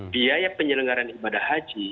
biaya penyelenggaran ibadah haji